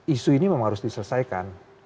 isu ini memang harus diselesaikan